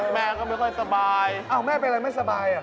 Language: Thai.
แม่ก็ไม่ค่อยสบายอ้าวแม่เป็นอะไรไม่สบายเหรอ